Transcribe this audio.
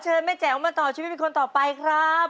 เชิญแม่แจ๋วมาต่อชีวิตเป็นคนต่อไปครับ